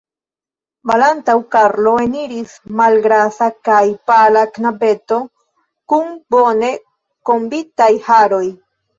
Malantaŭ Karlo eniris malgrasa kaj pala knabeto kun bone kombitaj haroj.